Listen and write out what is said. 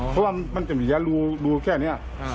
เพราะว่ามันจะมียารูแค่นี้